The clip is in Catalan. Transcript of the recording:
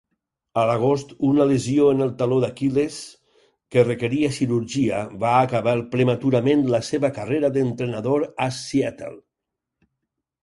A l'agost una lesió en el taló Aquil·les que requeria cirurgia va acabar prematurament la seva carrera d'entrenador a Seattle.